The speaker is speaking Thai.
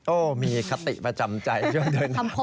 โอ้มีคติประจำใจด้วยนะครับ